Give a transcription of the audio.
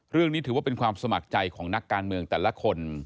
เรื่องนี้ถือว่าเป็นความสมัครใจของนักการเมืองแต่ละคน